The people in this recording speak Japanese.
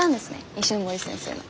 石森先生の。